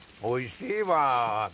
おいしいわ。